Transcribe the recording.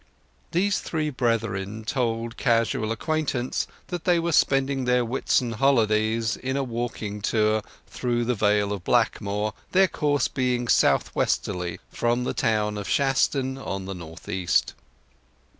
These three brethren told casual acquaintance that they were spending their Whitsun holidays in a walking tour through the Vale of Blackmoor, their course being south westerly from the town of Shaston on the north east.